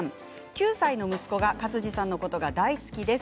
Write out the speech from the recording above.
９歳の息子が勝地さんのことが大好きです。